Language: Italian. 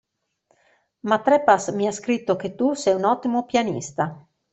Ma Trepas mi ha scritto che tu sei un ottimo pianista.